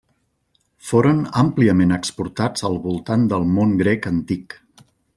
Foren àmpliament exportats al voltant del món grec antic.